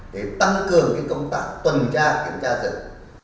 để tăng cường công tác tuần tra kiểm tra rừng